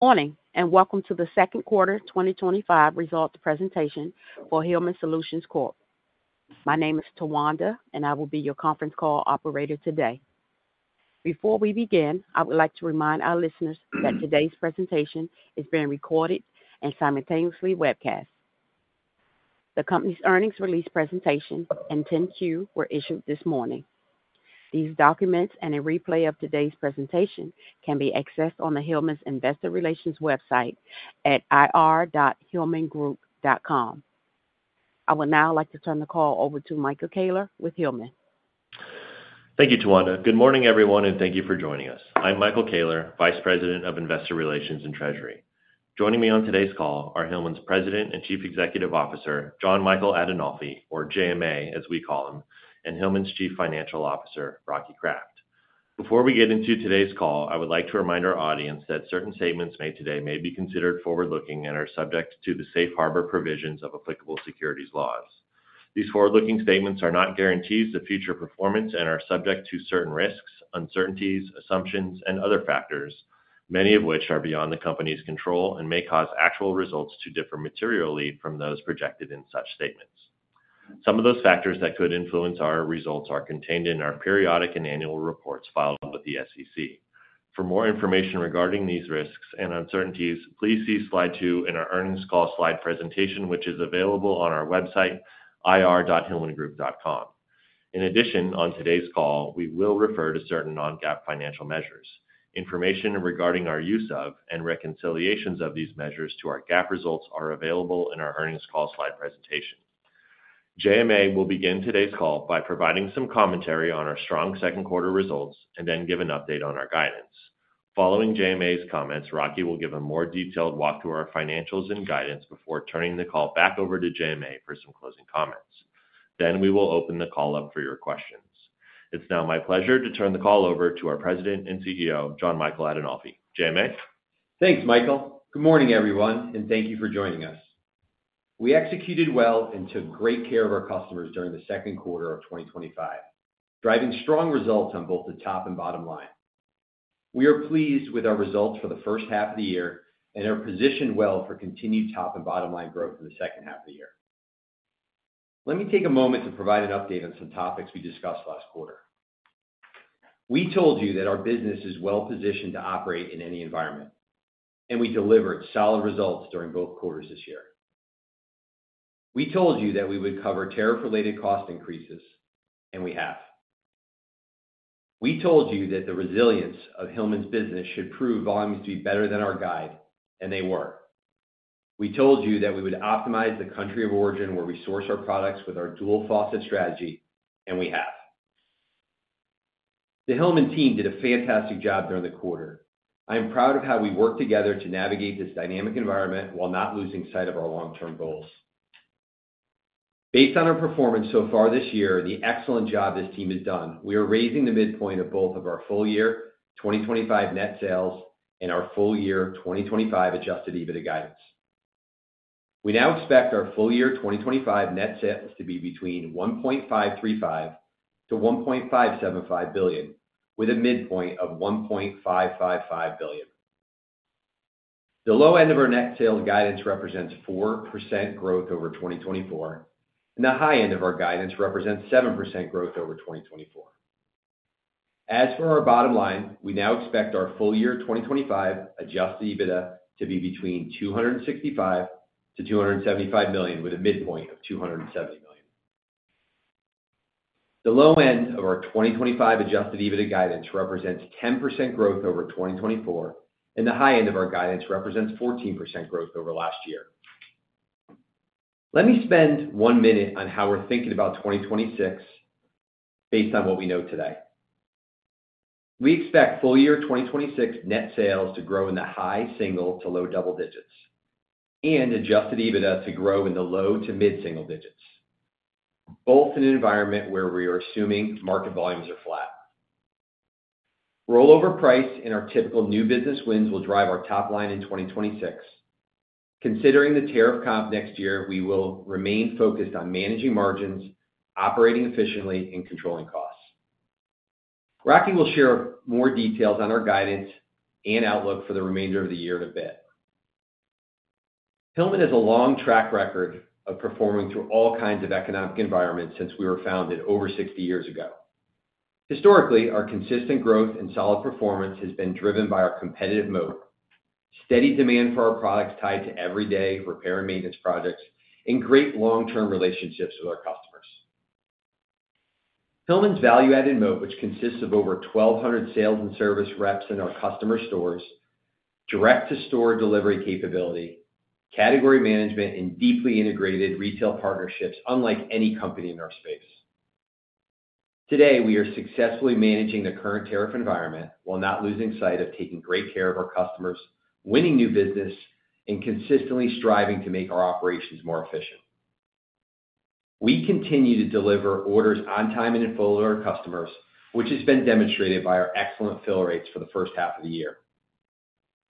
Morning and welcome to the Second Quarter 2025 Results Presentation for Hillman Solutions Corp. My name is Tawanda, and I will be your conference call operator today. Before we begin, I would like to remind our listeners that today's presentation is being recorded and simultaneously webcast. The company's earnings release presentation and 10-Q were issued this morning. These documents and a replay of today's presentation can be accessed on the Hillman investor relations website at ir.hillmangroup.com. I would now like to turn the call over to Michael Koehler with Hillman. Thank you, Tawanda. Good morning, everyone, and thank you for joining us. I'm Michael Koehler, Vice President of Investor Relations and Treasury. Joining me on today's call are Hillman's President and Chief Executive Officer, Jon Michael Adinolfi, or JMA as we call him, and Hillman's Chief Financial Officer, Rocky Kraft. Before we get into today's call, I would like to remind our audience that certain statements made today may be considered forward-looking and are subject to the Safe Harbor provisions of applicable securities laws. These forward-looking statements are not guarantees of future performance and are subject to certain risks, uncertainties, assumptions, and other factors, many of which are beyond the company's control and may cause actual results to differ materially from those projected in such statements. Some of those factors that could influence our results are contained in our periodic and annual reports filed with the SEC. For more information regarding these risks and uncertainties, please see slide two in our earnings call slide presentation, which is available on our website, ir.hillmangroup.com. In addition, on today's call, we will refer to certain non-GAAP financial measures. Information regarding our use of and reconciliations of these measures to our GAAP results are available in our earnings call slide presentation. JMA will begin today's call by providing some commentary on our strong second quarter results and then give an update on our guidance. Following JMA's comments, Rocky will give a more detailed walk through our financials and guidance before turning the call back over to JMA for some closing comments. We will open the call up for your questions. It's now my pleasure to turn the call over to our President and CEO, Jon Michael Adinolfi. JMA? Thanks, Michael. Good morning, everyone, and thank you for joining us. We executed well and took great care of our customers during the second quarter of 2025, driving strong results on both the top and bottom line. We are pleased with our results for the first half of the year and are positioned well for continued top and bottom line growth in the second half of the year. Let me take a moment to provide an update on some topics we discussed last quarter. We told you that our business is well positioned to operate in any environment, and we delivered solid results during both quarters this year. We told you that we would cover tariff-related cost increases, and we have. We told you that the resilience of Hillman's business should prove volumes to be better than our guide, and they were. We told you that we would optimize the country of origin where we source our products with our dual faucet strategy, and we have. The Hillman team did a fantastic job during the quarter. I am proud of how we worked together to navigate this dynamic environment while not losing sight of our long-term goals. Based on our performance so far this year and the excellent job this team has done, we are raising the midpoint of both of our full-year 2025 net sales and our full-year 2025 adjusted EBITDA guidance. We now expect our full-year 2025 net sales to be between $1.535 billion-$1.575 billion, with a midpoint of $1.555 billion. The low end of our net sales guidance represents 4% growth over 2024, and the high end of our guidance represents 7% growth over 2024. As for our bottom line, we now expect our full-year 2025 adjusted EBITDA to be between $265 million-$275 million, with a midpoint of $270 million. The low end of our 2025 adjusted EBITDA guidance represents 10% growth over 2024, and the high end of our guidance represents 14% growth over last year. Let me spend one minute on how we're thinking about 2026 based on what we know today. We expect full-year 2026 net sales to grow in the high single to low double digits and adjusted EBITDA to grow in the low to mid-single digits, both in an environment where we are assuming market volumes are flat. Rollover price and our typical new business wins will drive our top line in 2026. Considering the tariff comp next year, we will remain focused on managing margins, operating efficiently, and controlling costs. Rocky will share more details on our guidance and outlook for the remainder of the year in a bit. Hillman has a long track record of performing through all kinds of economic environments since we were founded over 60 years ago. Historically, our consistent growth and solid performance has been driven by our competitive moat, steady demand for our products tied to everyday repair and maintenance projects, and great long-term relationships with our customers. Hillman's value-added moat, which consists of over 1,200 sales and service reps in our customer stores, direct-to-store delivery capability, category management, and deeply integrated retail partnerships, is unlike any company in our space. Today, we are successfully managing the current tariff environment while not losing sight of taking great care of our customers, winning new business, and consistently striving to make our operations more efficient. We continue to deliver orders on time and in full to our customers, which has been demonstrated by our excellent fill rates for the first half of the year.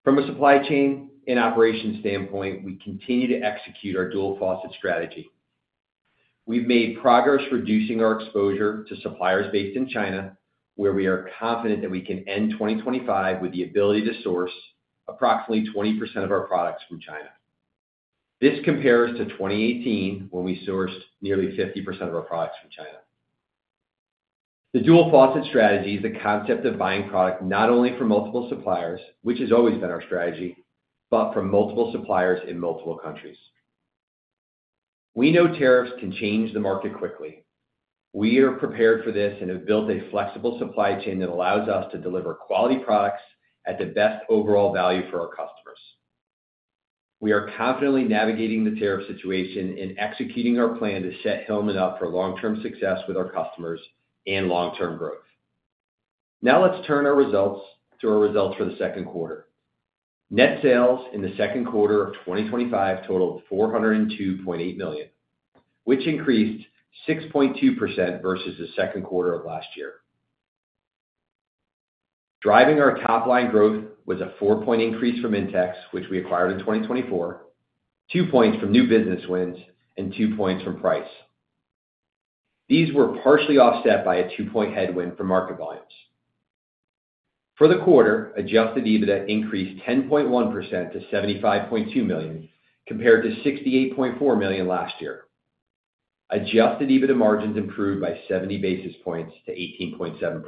From a supply chain and operations standpoint, we continue to execute our dual faucet strategy. We've made progress reducing our exposure to suppliers based in China, where we are confident that we can end 2025 with the ability to source approximately 20% of our products from China. This compares to 2018 when we sourced nearly 50% of our products from China. The dual faucet strategy is the concept of buying product not only from multiple suppliers, which has always been our strategy, but from multiple suppliers in multiple countries. We know tariffs can change the market quickly. We are prepared for this and have built a flexible supply chain that allows us to deliver quality products at the best overall value for our customers. We are confidently navigating the tariff situation and executing our plan to set Hillman up for long-term success with our customers and long-term growth. Now let's turn to our results for the second quarter. Net sales in the second quarter of 2025 totaled $402.8 million, which increased 6.2% versus the second quarter of last year. Driving our top line growth was a 4% increase from Intex, which we acquired in 2024, 2% from new business wins, and 2% from price. These were partially offset by a 2% headwind from market volumes. For the quarter, adjusted EBITDA increased 10.1% to $75.2 million compared to $68.4 million last year. Adjusted EBITDA margins improved by 70 basis points to 18.7%.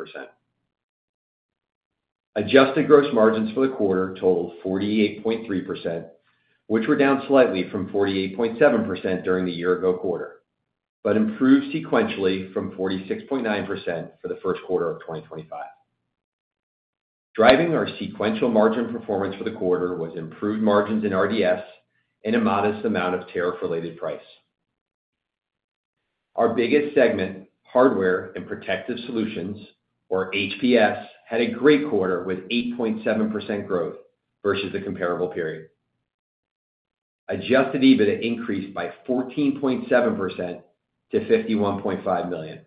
Adjusted gross margins for the quarter totaled 48.3%, which were down slightly from 48.7% during the year-ago quarter, but improved sequentially from 46.9% for the first quarter of 2025. Driving our sequential margin performance for the quarter was improved margins in RDS and a modest amount of tariff-related price. Our biggest segment, Hardware and Protective Solutions, or HPS, had a great quarter with 8.7% growth versus the comparable period. Adjusted EBITDA increased by 14.7% to $51.5 million.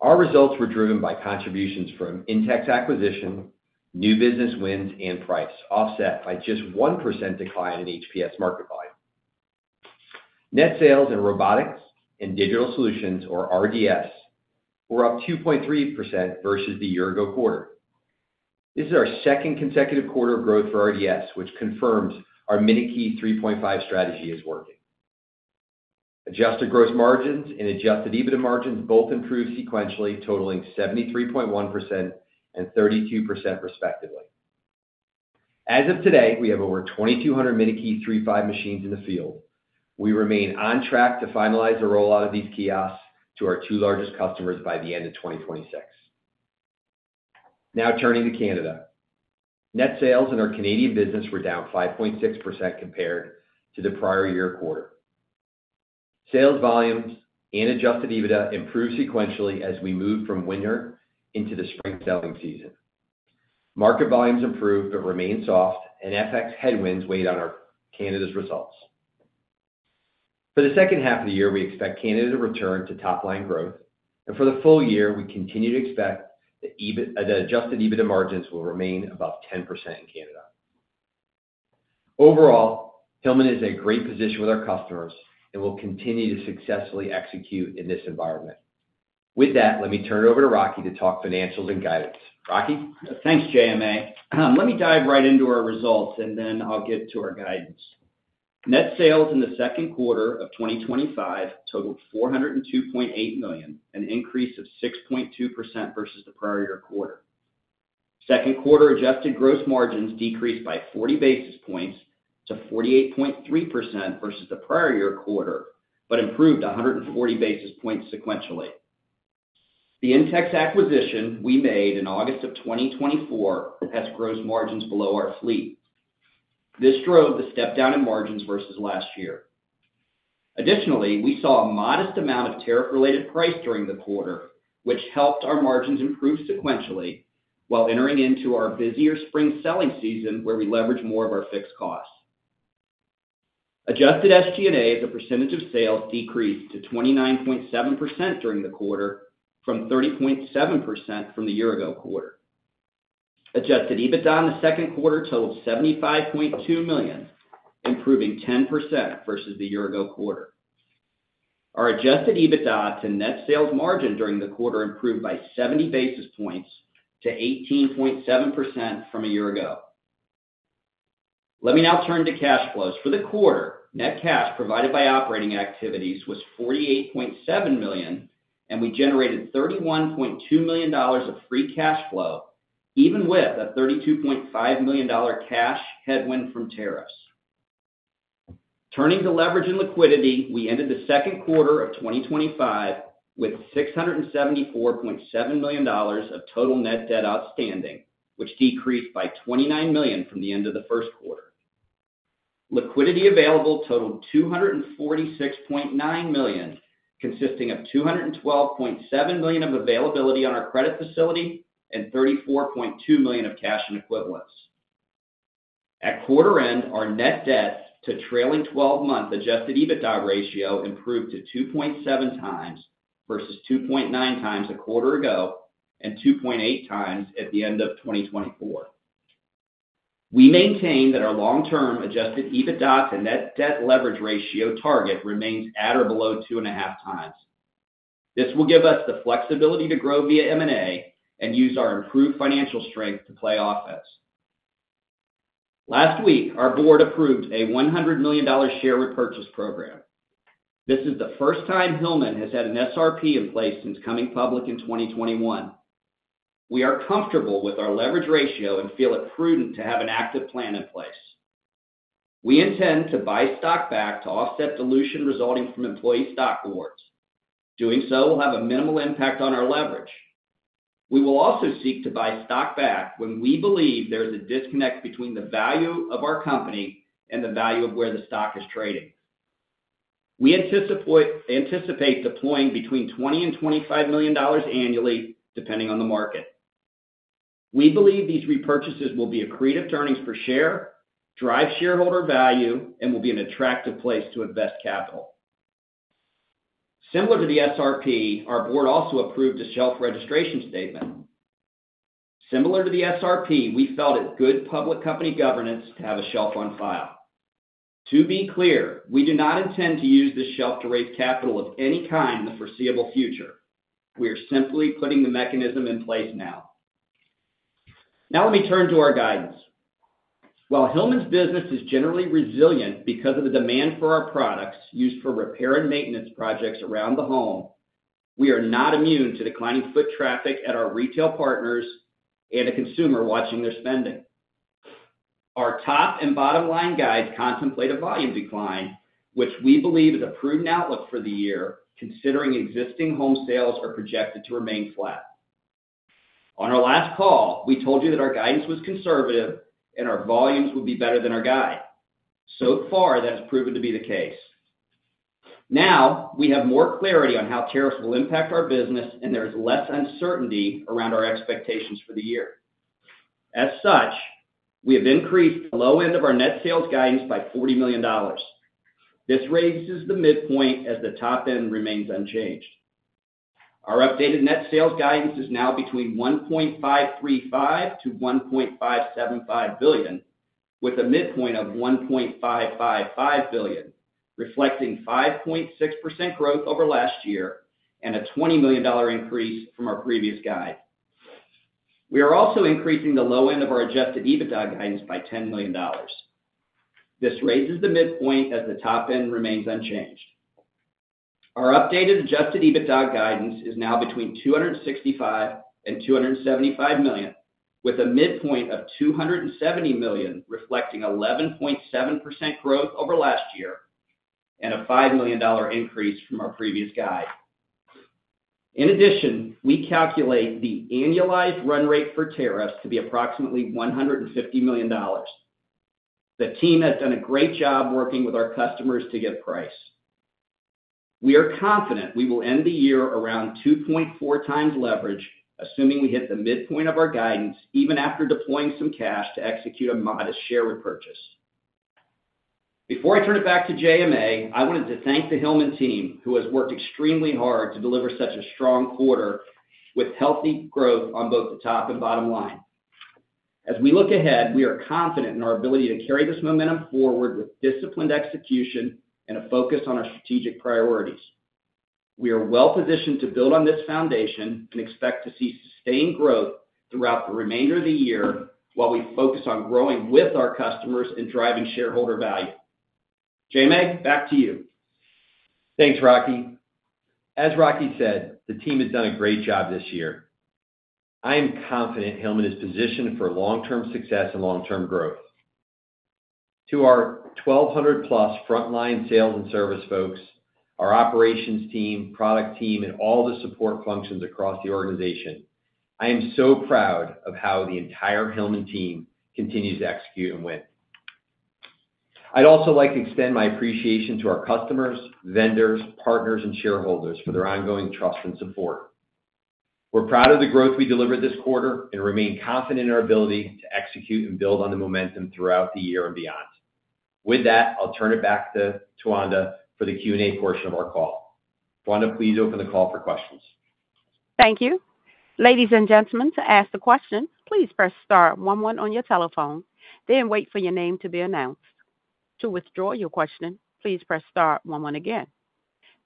Our results were driven by contributions from the Intex acquisition, new business wins, and price, offset by just 1% decline in HPS market volume. Net sales in Robotics and Digital Solutions, or RDS, were up 2.3% versus the year-ago quarter. This is our second consecutive quarter of growth for RDS, which confirms our MinuteKey 3.5 strategy is working. Adjusted gross margins and adjusted EBITDA margins both improved sequentially, totaling 73.1% and 32% respectively. As of today, we have over 2,200 MinuteKey 3.5 machines in the field. We remain on track to finalize the rollout of these kiosks to our two largest customers by the end of 2026. Now turning to Canada, net sales in our Canadian business were down 5.6% compared to the prior year quarter. Sales volumes and adjusted EBITDA improved sequentially as we moved from winter into the spring selling season. Market volumes improved but remained soft, and FX headwinds weighed on Canada's results. For the second half of the year, we expect Canada to return to top line growth, and for the full year, we continue to expect that adjusted EBITDA margins will remain above 10% in Canada. Overall, Hillman is in a great position with our customers and will continue to successfully execute in this environment. With that, let me turn it over to Rocky to talk financials and guidance. Rocky? Thanks, JMA. Let me dive right into our results, and then I'll get to our guidance. Net sales in the second quarter of 2025 totaled $402.8 million, an increase of 6.2% versus the prior year quarter. Second quarter adjusted gross margins decreased by 40 basis points to 48.3% versus the prior year quarter, but improved 140 basis points sequentially. The Intex acquisition we made in August of 2024 has gross margins below our fleet. This drove the step down in margins versus last year. Additionally, we saw a modest amount of tariff-related price during the quarter, which helped our margins improve sequentially while entering into our busier spring selling season where we leverage more of our fixed costs. Adjusted SG&A as a percentage of sales decreased to 29.7% during the quarter, from 30.7% from the year-ago quarter. Adjusted EBITDA in the second quarter totaled $75.2 million, improving 10% versus the year-ago quarter. Our adjusted EBITDA to net sales margin during the quarter improved by 70 basis points to 18.7% from a year ago. Let me now turn to cash flows. For the quarter, net cash provided by operating activities was $48.7 million, and we generated $31.2 million of free cash flow, even with a $32.5 million cash headwind from tariffs. Turning to leverage and liquidity, we ended the second quarter of 2025 with $674.7 million of total net debt outstanding, which decreased by $29 million from the end of the first quarter. Liquidity available totaled $246.9 million, consisting of $212.7 million of availability on our credit facility and $34.2 million of cash in equivalents. At quarter end, our net debt to trailing 12-month adjusted EBITDA ratio improved to 2.7x versus 2.9x a quarter ago and 2.8x at the end of 2024. We maintain that our long-term adjusted EBITDA to net debt leverage ratio target remains at or below 2.5x. This will give us the flexibility to grow via M&A and use our improved financial strength to play offense. Last week, our board approved a $100 million share repurchase program. This is the first time Hillman has had an SRP in place since coming public in 2021. We are comfortable with our leverage ratio and feel it prudent to have an active plan in place. We intend to buy stock back to offset dilution resulting from employee stock awards. Doing so will have a minimal impact on our leverage. We will also seek to buy stock back when we believe there is a disconnect between the value of our company and the value of where the stock is traded. We anticipate deploying between $20 million and $25 million annually, depending on the market. We believe these repurchases will be accretive to earnings per share, drive shareholder value, and will be an attractive place to invest capital. Similar to the SRP, our Board also approved a shelf registration statement. Similar to the SRP, we felt it's good public company governance to have a shelf on file. To be clear, we do not intend to use this shelf to raise capital of any kind in the foreseeable future. We are simply putting the mechanism in place now. Now let me turn to our guidance. While Hillman's business is generally resilient because of the demand for our products used for repair and maintenance projects around the home, we are not immune to declining foot traffic at our retail partners and a consumer watching their spending. Our top- and bottom-line guides contemplate a volume decline, which we believe is a prudent outlook for the year, considering existing home sales are projected to remain flat. On our last call, we told you that our guidance was conservative and our volumes would be better than our guide. So far, that has proven to be the case. Now we have more clarity on how tariffs will impact our business, and there is less uncertainty around our expectations for the year. As such, we have increased the low end of our net sales guidance by $40 million. This raises the midpoint as the top end remains unchanged. Our updated net sales guidance is now between $1.535 billion-$1.575 billion, with a midpoint of $1.555 billion, reflecting 5.6% growth over last year and a $20 million increase from our previous guide. We are also increasing the low end of our adjusted EBITDA guidance by $10 million. This raises the midpoint as the top end remains unchanged. Our updated adjusted EBITDA guidance is now between $265 million and $275 million, with a midpoint of $270 million, reflecting 11.7% growth over last year and a $5 million increase from our previous guide. In addition, we calculate the annualized run rate for tariffs to be approximately $150 million. The team has done a great job working with our customers to get a price. We are confident we will end the year around 2.4x leverage, assuming we hit the midpoint of our guidance, even after deploying some cash to execute a modest share repurchase. Before I turn it back to JMA, I wanted to thank the Hillman team, who has worked extremely hard to deliver such a strong quarter with healthy growth on both the top and bottom line. As we look ahead, we are confident in our ability to carry this momentum forward with disciplined execution and a focus on our strategic priorities. We are well positioned to build on this foundation and expect to see sustained growth throughout the remainder of the year while we focus on growing with our customers and driving shareholder value. JMA, back to you. Thanks, Rocky. As Rocky said, the team has done a great job this year. I am confident Hillman is positioned for long-term success and long-term growth. To our 1,200+ frontline sales and service folks, our operations team, product team, and all the support functions across the organization, I am so proud of how the entire Hillman team continues to execute and win. I'd also like to extend my appreciation to our customers, vendors, partners, and shareholders for their ongoing trust and support. We're proud of the growth we delivered this quarter and remain confident in our ability to execute and build on the momentum throughout the year and beyond. With that, I'll turn it back to Tawanda for the Q&A portion of our call. Tawanda, please open the call for questions. Thank you. Ladies and gentlemen, to ask a question, please press star one one on your telephone, then wait for your name to be announced. To withdraw your question, please press star one oneagain.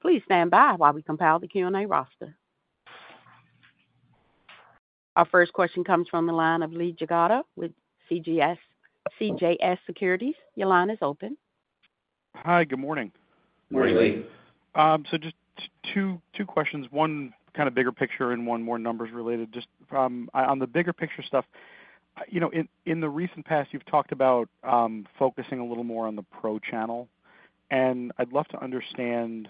Please stand by while we compile the Q&A roster. Our first question comes from the line of Lee Jagoda with CJS Securities Inc. Your line is open. Hi, good morning. Morning, Lee. I have two questions. One is kind of bigger picture and one is more numbers related. On the bigger picture stuff, in the recent past, you've talked about focusing a little more on the pro channel, and I'd love to understand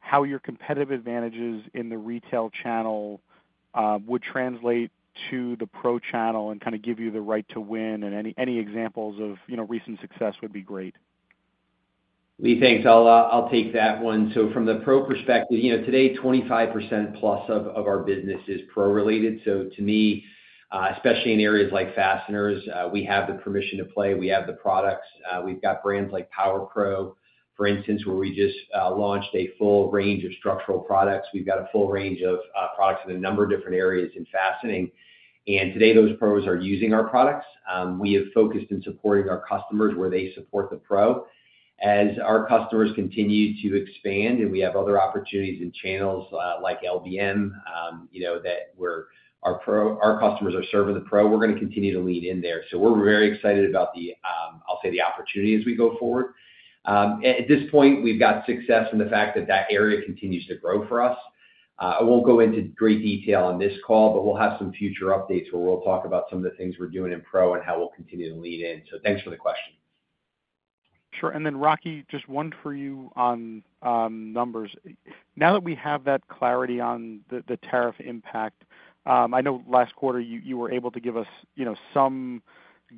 how your competitive advantages in the retail channel would translate to the pro channel and kind of give you the right to win. Any examples of recent success would be great. Lee, thanks. I'll take that one. From the pro perspective, today 25%+ of our business is pro-related. To me, especially in areas like fasteners, we have the permission to play. We have the products. We've got brands like PowerCrow, for instance, where we just launched a full range of structural products. We've got a full range of products in a number of different areas in fastening. Today, those pros are using our products. We have focused on supporting our customers where they support the pro. As our customers continue to expand and we have other opportunities in channels like LBM, that our customers are serving the pro, we're going to continue to lean in there. We are very excited about the opportunity as we go forward. At this point, we've got success in the fact that that area continues to grow for us. I won't go into great detail on this call, but we'll have some future updates where we'll talk about some of the things we're doing in pro and how we'll continue to lean in. Thanks for the question. Sure. Rocky, just one for you on numbers. Now that we have that clarity on the tariff impact, I know last quarter you were able to give us some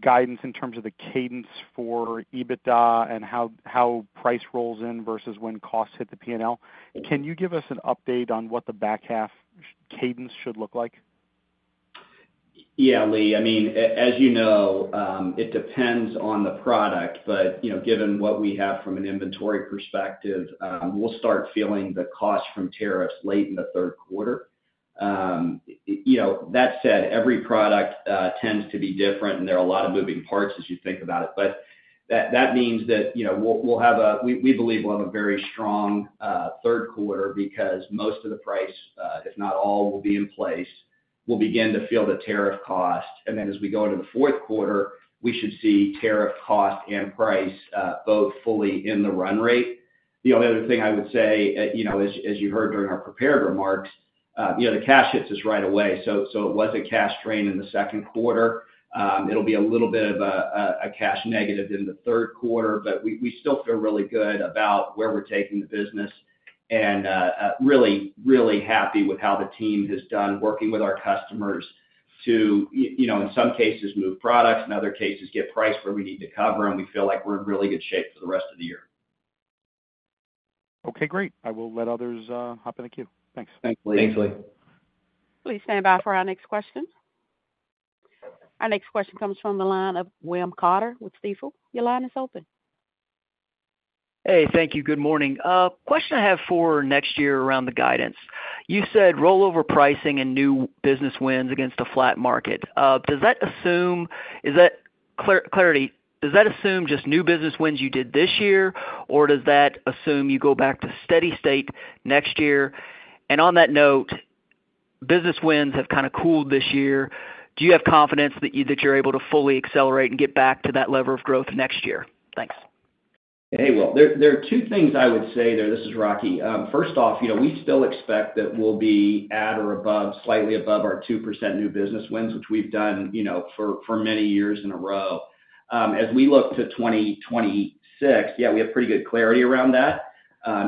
guidance in terms of the cadence for EBITDA and how price rolls in versus when costs hit the P&L. Can you give us an update on what the back half cadence should look like? Yeah, Lee. As you know, it depends on the product, but given what we have from an inventory perspective, we'll start feeling the costs from tariffs late in the third quarter. That said, every product tends to be different, and there are a lot of moving parts as you think about it. That means we believe we'll have a very strong third quarter because most of the price, if not all, will be in place. We'll begin to feel the tariff cost. As we go into the fourth quarter, we should see tariff cost and price both fully in the run rate. The only other thing I would say, as you heard during our prepared remarks, the cash hits us right away. It was a cash drain in the second quarter. It'll be a little bit of a cash negative in the third quarter, but we still feel really good about where we're taking the business and really, really happy with how the team has done working with our customers to, in some cases, move products, in other cases, get price where we need to cover, and we feel like we're in really good shape for the rest of the year. Okay, great. I'll let others hop in the queue. Thanks. Thanks, Lee. Thanks, Lee. Please stand by for our next question. Our next question comes from the line of William Carter with Stifel. Your line is open. Thank you. Good morning. Question I have for next year around the guidance. You said rollover pricing and new business wins against a flat market. Does that assume, is that clarity, does that assume just new business wins you did this year, or does that assume you go back to steady state next year? On that note, business wins have kind of cooled this year. Do you have confidence that you're able to fully accelerate and get back to that level of growth next year? Thanks. There are two things I would say there. This is Rocky. First off, you know, we still expect that we'll be at or above, slightly above our 2% new business wins, which we've done, you know, for many years in a row. As we look to 2026, yeah, we have pretty good clarity around that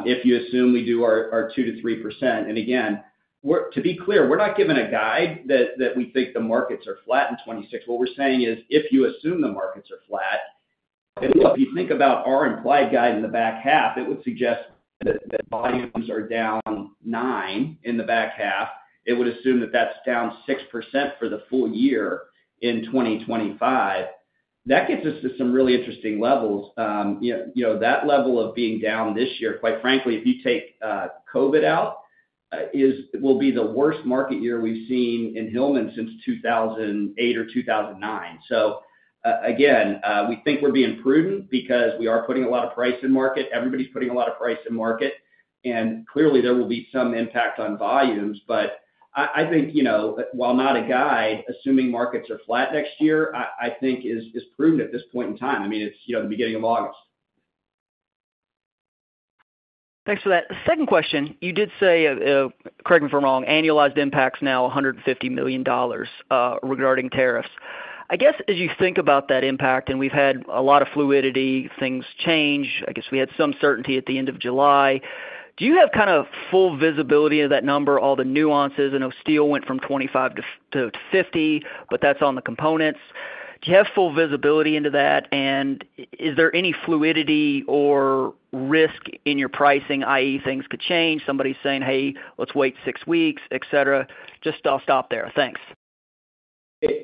if you assume we do our 2%-3%. Again, to be clear, we're not giving a guide that we think the markets are flat in 2026. What we're saying is if you assume the markets are flat, if you think about our implied guide in the back half, it would suggest that volumes are down 9% in the back half. It would assume that that's down 6% for the full year in 2025. That gets us to some really interesting levels. That level of being down this year, quite frankly, if you take COVID out, it will be the worst market year we've seen in Hillman since 2008 or 2009. Again, we think we're being prudent because we are putting a lot of price in market. Everybody's putting a lot of price in market. Clearly, there will be some impact on volumes. I think, you know, while not a guide, assuming markets are flat next year, I think is prudent at this point in time. I mean, it's the beginning of August. Thanks for that. Second question, you did say, correct me if I'm wrong, annualized impacts now $150 million regarding tariffs. I guess as you think about that impact, and we've had a lot of fluidity, things change, I guess we had some certainty at the end of July. Do you have kind of full visibility of that number, all the nuances? I know steel went from 25% to 50%, but that's on the components. Do you have full visibility into that? Is there any fluidity or risk in your pricing, i.e., things could change, somebody's saying, hey, let's wait six weeks, etc.? I'll stop there. Thanks.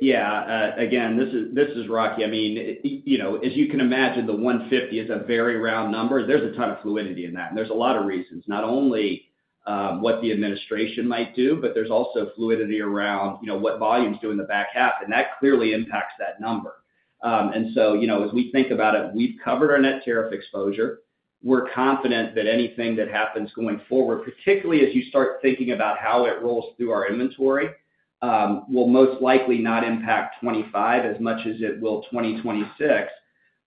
Yeah, again, this is Rocky. As you can imagine, the $150 million is a very round number. There's a ton of fluidity in that. There's a lot of reasons, not only what the administration might do, but there's also fluidity around what volumes do in the back half. That clearly impacts that number. As we think about it, we've covered our net tariff exposure. We're confident that anything that happens going forward, particularly as you start thinking about how it rolls through our inventory, will most likely not impact 2025 as much as it will 2026.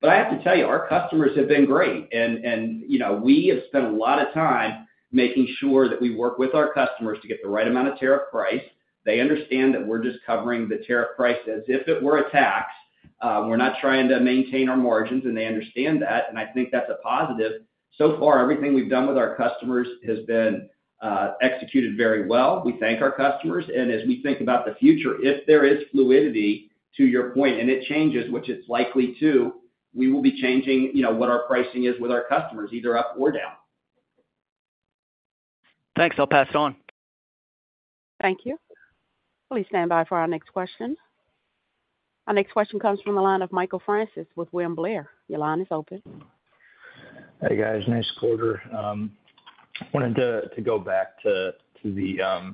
I have to tell you, our customers have been great. We have spent a lot of time making sure that we work with our customers to get the right amount of tariff price. They understand that we're just covering the tariff price as if it were a tax. We're not trying to maintain our margins, and they understand that. I think that's a positive. So far, everything we've done with our customers has been executed very well. We thank our customers. As we think about the future, if there is fluidity to your point, and it changes, which it's likely to, we will be changing what our pricing is with our customers, either up or down. Thanks, I'll pass on. Thank you. Please stand by for our next question. Our next question comes from the line of Michael Francis with William Blair. Your line is open. Hey, guys. Nice quarter. I wanted to go back to the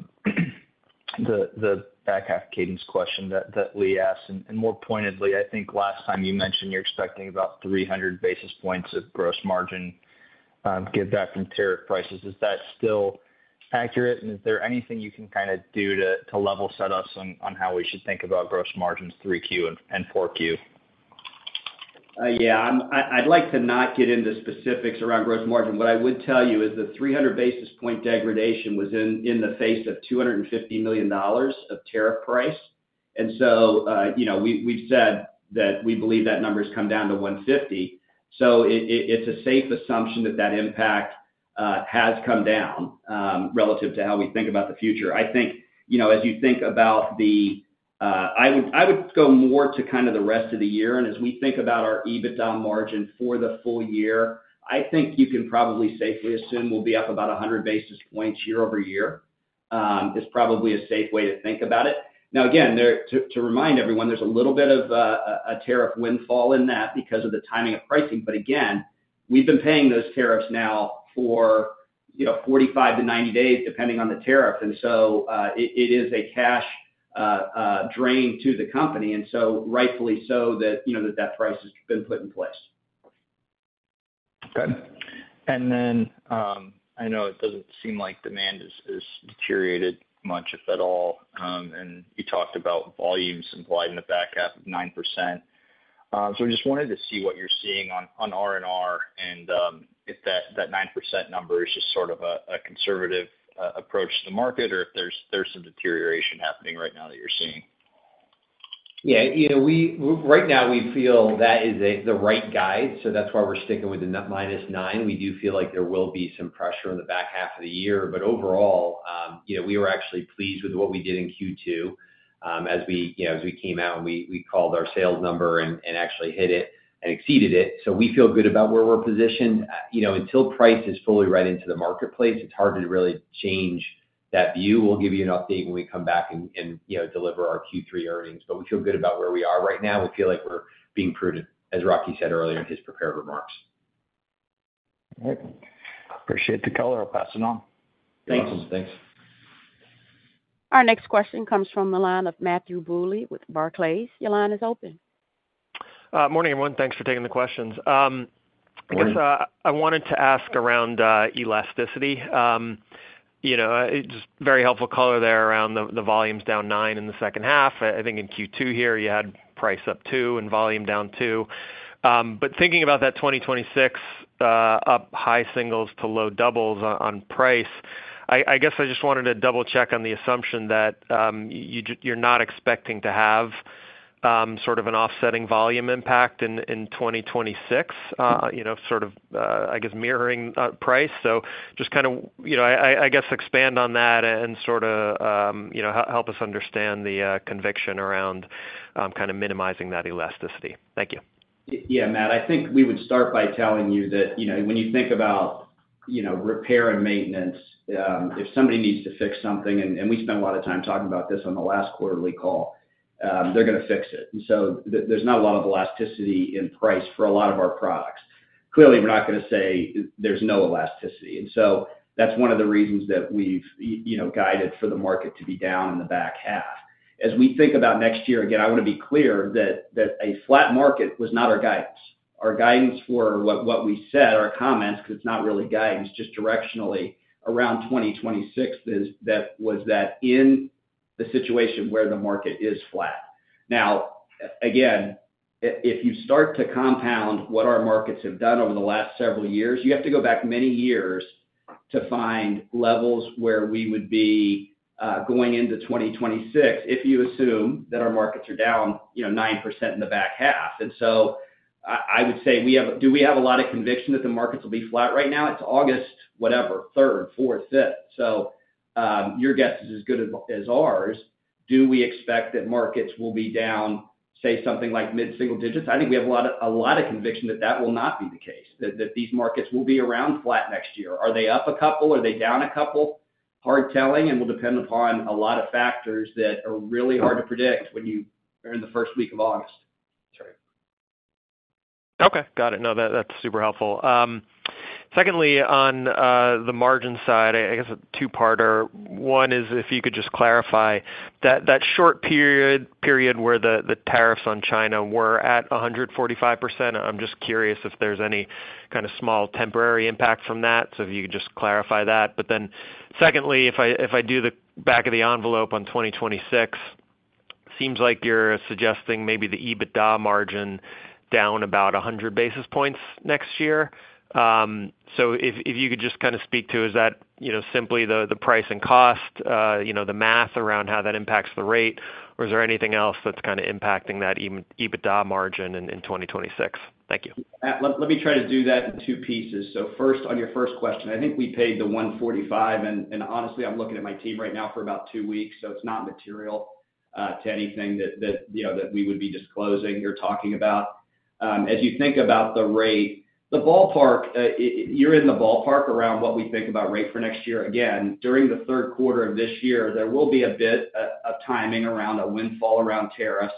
back half cadence question that Lee asked. More pointedly, I think last time you mentioned you're expecting about 300 basis points of gross margin give back from tariff prices. Is that still accurate? Is there anything you can kind of do to level set us on how we should think about gross margins 3Q and 4Q? Yeah, I'd like to not get into specifics around gross margin. What I would tell you is that 300 basis point degradation was in the face of $250 million of tariff price. We've said that we believe that number has come down to $150 million, so it's a safe assumption that that impact has come down relative to how we think about the future. As you think about the rest of the year and as we think about our EBITDA margin for the full year, you can probably safely assume we'll be up about 100 basis points year over year. It's probably a safe way to think about it. Now, to remind everyone, there's a little bit of a tariff windfall in that because of the timing of pricing. We've been paying those tariffs now for 45 days-90 days, depending on the tariff, and it is a cash drain to the company. Rightfully so, that price has been put in place. Good. I know it doesn't seem like demand has deteriorated much, if at all. You talked about volumes implied in the back half of 9%. I just wanted to see what you're seeing on R&R and if that 9% number is just sort of a conservative approach to the market or if there's some deterioration happening right now that you're seeing. Right now we feel that is the right guide. That's why we're sticking with a -9%. We do feel like there will be some pressure in the back half of the year. Overall, we were actually pleased with what we did in Q2 as we came out and we called our sales number and actually hit it and exceeded it. We feel good about where we're positioned. Until price is fully read into the marketplace, it's hard to really change that view. We'll give you an update when we come back and deliver our Q3 earnings. We feel good about where we are right now. We feel like we're being prudent, as Rocky said earlier in his prepared remarks. Appreciate the color. I'll pass it on. Thanks. Awesome. Thanks. Our next question comes from the line of Matthew Bouley with Barclays. Your line is open. Morning, everyone. Thanks for taking the questions. I wanted to ask around elasticity. Just a very helpful color there around the volumes down 9% in the second half. I think in Q2 here you had price up 2% and volume down 2%. Thinking about that 2026, up high singles to low doubles on price, I guess I just wanted to double-check on the assumption that you're not expecting to have sort of an offsetting volume impact in 2026, mirroring price. Just kind of expand on that and help us understand the conviction around minimizing that elasticity. Thank you. Yeah, Matt. I think we would start by telling you that, you know, when you think about, you know, repair and maintenance, if somebody needs to fix something, and we spent a lot of time talking about this on the last quarterly call, they're going to fix it. There's not a lot of elasticity in price for a lot of our products. Clearly, we're not going to say there's no elasticity. That's one of the reasons that we've guided for the market to be down in the back half. As we think about next year, again, I want to be clear that a flat market was not our guidance. Our guidance were what we said, our comments, because it's not really guidance, just directionally around 2026, that was that in the situation where the market is flat. Now, if you start to compound what our markets have done over the last several years, you have to go back many years to find levels where we would be going into 2026 if you assume that our markets are down, you know, 9% in the back half. I would say, do we have a lot of conviction that the markets will be flat right now? It's August, whatever, 3rd, 4th, 5th. Your guess is as good as ours. Do we expect that markets will be down, say, something like mid-single digits? I think we have a lot of conviction that that will not be the case, that these markets will be around flat next year. Are they up a couple? Are they down a couple? Hard telling, and will depend upon a lot of factors that are really hard to predict when you are in the first week of August. Okay, got it. No, that's super helpful. Secondly, on the margin side, I guess a two-parter. One is if you could just clarify that short period where the tariffs on China were at 145%. I'm just curious if there's any kind of small temporary impact from that. If you could just clarify that. Secondly, if I do the back of the envelope on 2026, it seems like you're suggesting maybe the EBITDA margin down about 100 basis points next year. If you could just kind of speak to, is that simply the price and cost, you know, the math around how that impacts the rate, or is there anything else that's kind of impacting that EBITDA margin in 2026? Thank you. Let me try to do that in two pieces. First, on your first question, I think we paid the $145. Honestly, I'm looking at my team right now for about two weeks, so it's not material to anything that we would be disclosing or talking about. As you think about the rate, you're in the ballpark around what we think about rate for next year. Again, during the third quarter of this year, there will be a bit of timing around a windfall around tariffs.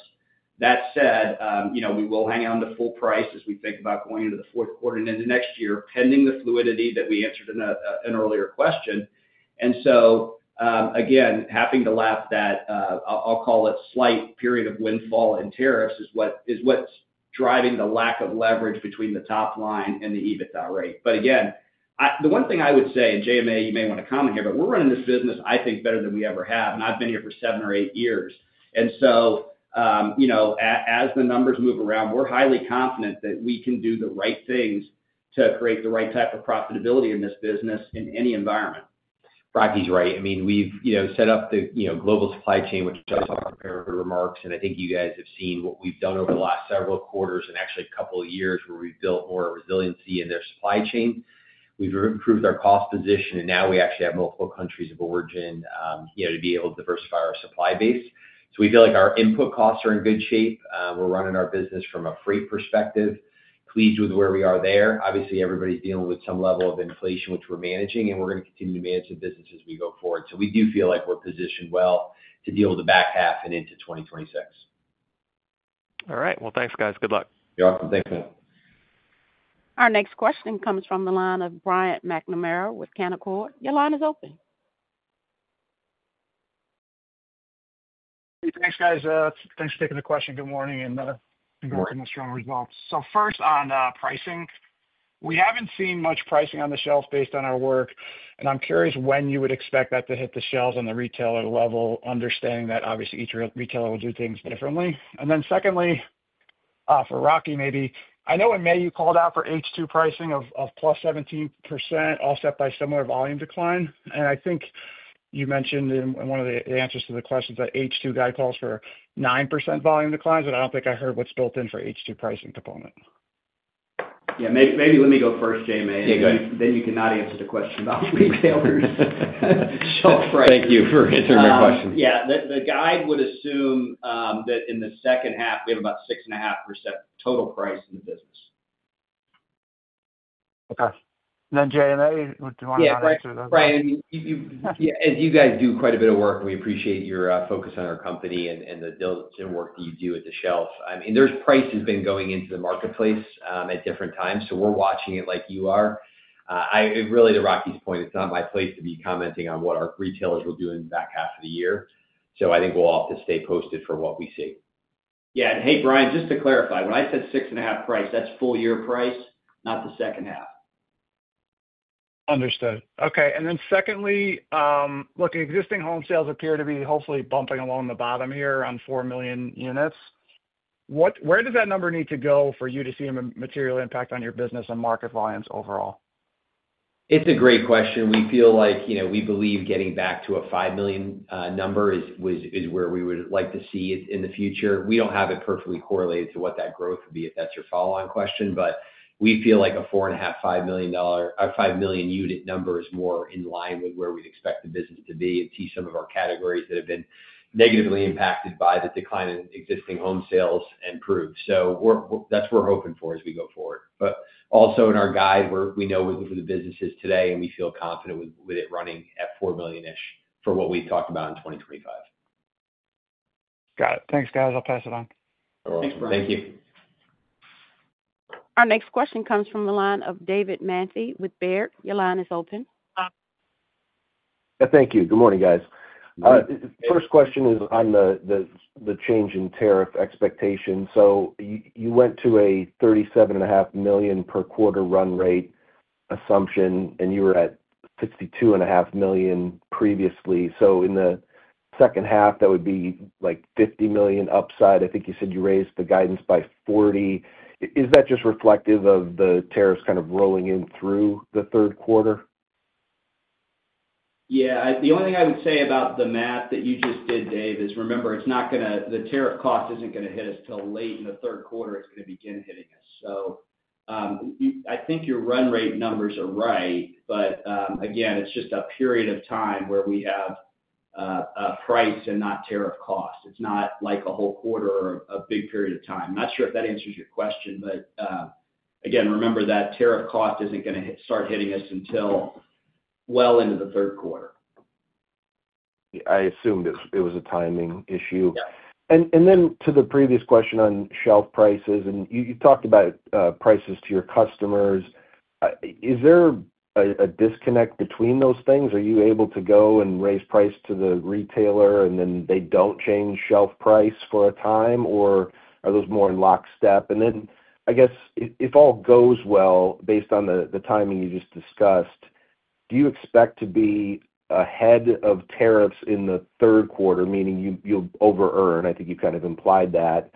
That said, we will hang on to full price as we think about going into the fourth quarter and into next year, pending the fluidity that we answered in an earlier question. Again, happy to laugh that I'll call it slight period of windfall in tariffs is what's driving the lack of leverage between the top line and the EBITDA rate. The one thing I would say, and JMA, you may want to comment here, we're running this business, I think, better than we ever have. I've been here for seven or eight years. As the numbers move around, we're highly confident that we can do the right things to create the right type of profitability in this business in any environment. Rocky's right. We've set up the global supply chain, which Jason prepared remarks. I think you guys have seen what we've done over the last several quarters and actually a couple of years where we've built more resiliency in their supply chain. We've improved our cost position, and now we actually have multiple countries of origin to be able to diversify our supply base. We feel like our input costs are in good shape. We're running our business from a freight perspective and are pleased with where we are there. Obviously, everybody's dealing with some level of inflation, which we're managing, and we're going to continue to manage the business as we go forward. We do feel like we're positioned well to deal with the back half and into 2026. All right. Thanks, guys. Good luck. You're welcome. Thanks, man. Our next question comes from the line of Brian McNamara with Canaccord. Your line is open. Thanks, guys. Thanks for taking the question. Good morning and good working with strong results. First on pricing, we haven't seen much pricing on the shelves based on our work. I'm curious when you would expect that to hit the shelves on the retailer level, understanding that obviously each retailer will do things differently. Secondly, for Rocky maybe, I know in May you called out for H2 pricing of +17%, all set by a similar volume decline. I think you mentioned in one of the answers to the questions that H2 guide calls for 9% volume declines, but I don't think I heard what's built in for H2 pricing component. Yeah, maybe let me go first, JMA, and then you can answer the question about retailers. Thank you for answering my question. Yeah, the guide would assume that in the second half, we have about 6.5% total price in the business. Okay. JMA, what do you want to add? Brian, as you guys do quite a bit of work, and we appreciate your focus on our company and the work that you do at the shelf. I mean, there's prices been going into the marketplace at different times, so we're watching it like you are. Really, to Rocky's point, it's not my place to be commenting on what our retailers will do in the back half of the year. I think we'll have to stay posted for what we see. Yeah, and hey, Brian, just to clarify, when I said six and a half price, that's full year price, not the second half. Okay. Secondly, look, existing home sales appear to be hopefully bumping along the bottom here on 4 million units. Where does that number need to go for you to see a material impact on your business and market volumes overall? It's a great question. We feel like, you know, we believe getting back to a $5 million number is where we would like to see it in the future. We don't have it perfectly correlated to what that growth would be if that's your follow-on question, but we feel like a $4.5 million unit number is more in line with where we expect the business to be and see some of our categories that have been negatively impacted by the decline in existing home sales improve. That's what we're hoping for as we go forward. Also, in our guide, we know we're looking for the businesses today, and we feel confident with it running at $4 million-ish for what we've talked about in 2025. Got it. Thanks, guys. I'll pass it on. Thanks, Brian. Thank you. Our next question comes from the line of David Manthey with Baird. Incorporated. Your line is open. Thank you. Good morning, guys. The first question is on the change in tariff expectations. You went to a $37.5 million per quarter run rate assumption, and you were at $52.5 million previously. In the second half, that would be like $50 million upside. I think you said you raised the guidance by $40 million. Is that just reflective of the tariffs kind of rolling in through the third quarter? Yeah, the only thing I would say about the math that you just did, Dave, is remember, it's not going to, the tariff cost isn't going to hit us till late in the third quarter. It's going to begin hitting us. I think your run rate numbers are right, but again, it's just a period of time where we have a price and not tariff cost. It's not like a whole quarter or a big period of time. I'm not sure if that answers your question, but again, remember that tariff cost isn't going to start hitting us until well into the third quarter. I assumed it was a timing issue. To the previous question on shelf prices, you talked about prices to your customers. Is there a disconnect between those things? Are you able to go and raise price to the retailer and then they don't change shelf price for a time, or are those more in lockstep? If all goes well based on the timing you just discussed, do you expect to be ahead of tariffs in the third quarter, meaning you'll over-earn? I think you've kind of implied that.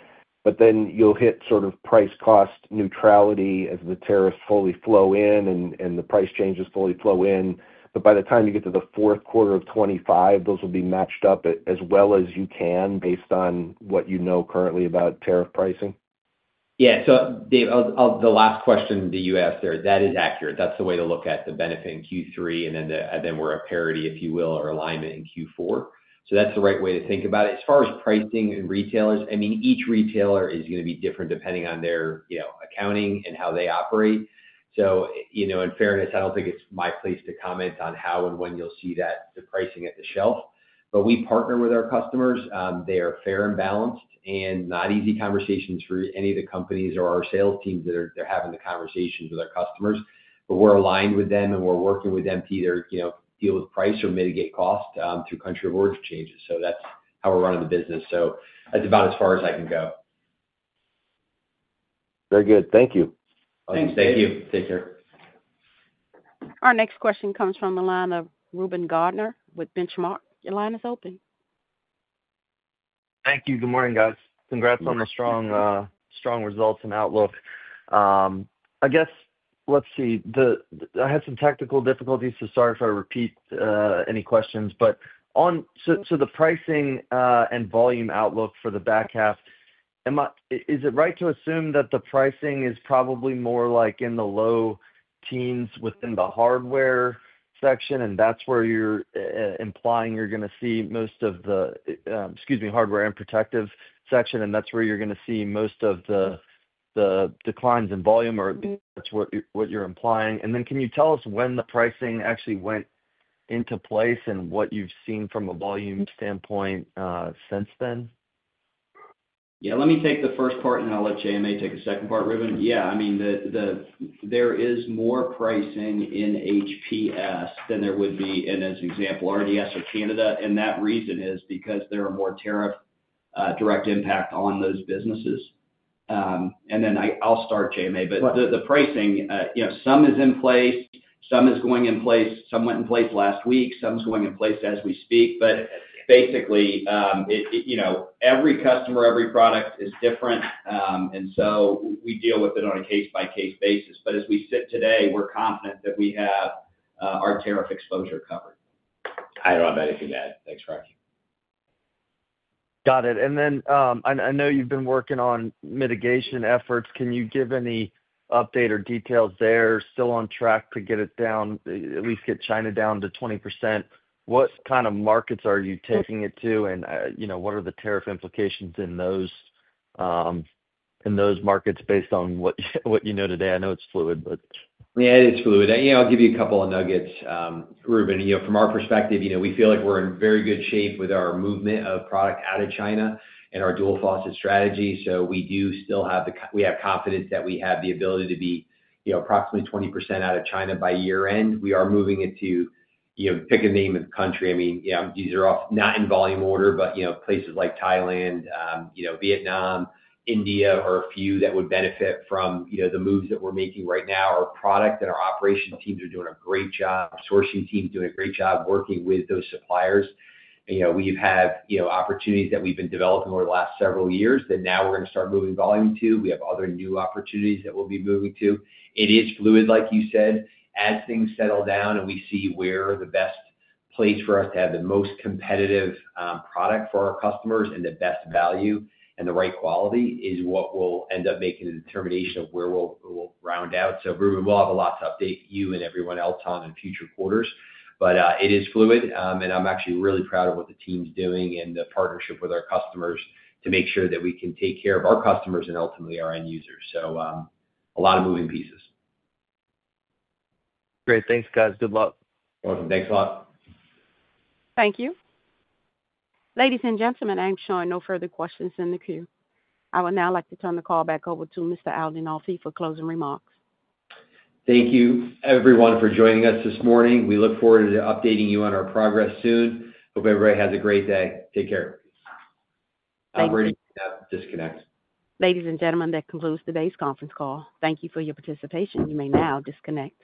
You'll hit sort of price-cost neutrality as the tariffs fully flow in and the price changes fully flow in. By the time you get to the fourth quarter of 2025, those will be matched up as well as you can based on what you know currently about tariff pricing. Yeah, so Dave, the last question that you asked there, that is accurate. That's the way to look at the benefit in Q3, and then we're at parity, if you will, or alignment in Q4. That's the right way to think about it. As far as pricing and retailers, each retailer is going to be different depending on their accounting and how they operate. In fairness, I don't think it's my place to comment on how and when you'll see the pricing at the shelf. We partner with our customers. They are fair and balanced, and these are not easy conversations for any of the companies or our sales teams that are having the conversations with our customers. We're aligned with them and we're working with them to either deal with price or mitigate cost through country of origin changes. That's how we're running the business. That's about as far as I can go. Very good. Thank you. Thanks. Thank you. Take care. Our next question comes from the line of Reuben Garner with Benchmark. Your line is open. Thank you. Good morning, guys. Congrats on the strong, strong results and outlook. I have some technical difficulties, so sorry if I repeat any questions. On the pricing and volume outlook for the back half, is it right to assume that the pricing is probably more like in the low teens within the hardware section? That's where you're implying you're going to see most of the, excuse me, Hardware and Protective section, and that's where you're going to see most of the declines in volume or what you're implying. Can you tell us when the pricing actually went into place and what you've seen from a volume standpoint since then? Yeah, let me take the first part and I'll let JMA take the second part, Reuben. Yeah, I mean, there is more pricing in HTS than there would be, and as an example, RDS with Canada. That reason is because there are more tariff direct impacts on those businesses. I'll start, JMA. The pricing, you know, some is in place, some is going in place, some went in place last week, some is going in place as we speak. Basically, every customer, every product is different, and so we deal with it on a case-by-case basis. As we sit today, we're confident that we have our tariff exposure covered. I don't have anything to add. Thanks, Rocky. Got it. I know you've been working on mitigation efforts. Can you give any update or details there? Still on track to get it down, at least get China down to 20%. What kind of markets are you taking it to? What are the tariff implications in those markets based on what you know today? I know it's fluid. Yeah, it's fluid. I'll give you a couple of nuggets, Reuben. From our perspective, we feel like we're in very good shape with our movement of product out of China and our dual faucet strategy. We do still have confidence that we have the ability to be approximately 20% out of China by year-end. We are moving it to, pick a name of the country. These are not in volume order, but places like Thailand, Vietnam, and India are a few that would benefit from the moves that we're making right now. Our product and our operations teams are doing a great job. Our sourcing team is doing a great job working with those suppliers. We've had opportunities that we've been developing over the last several years that now we're going to start moving volume to. We have other new opportunities that we'll be moving to. It is fluid, like you said. As things settle down and we see where the best place for us to have the most competitive product for our customers and the best value and the right quality is, we'll end up making a determination of where we'll round out. Reuben, we'll have a lot to update you and everyone else on in future quarters. It is fluid, and I'm actually really proud of what the team's doing and the partnership with our customers to make sure that we can take care of our customers and ultimately our end users. A lot of moving pieces. Great. Thanks, guys. Good luck. Welcome. Thanks a lot. Thank you. Ladies and gentlemen, I'm showing no further questions in the queue. I would now like to turn the call back over to Mr. Adinolfi for closing remarks. Thank you, everyone, for joining us this morning. We look forward to updating you on our progress soon. Hope everybody has a great day. Take care. I'm ready to disconnect. Ladies and gentlemen, that concludes today's conference call. Thank you for your participation. You may now disconnect.